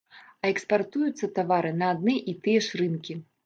А экспартуюцца тавары на адны і тыя ж рынкі.